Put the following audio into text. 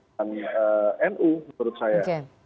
dengan nu menurut saya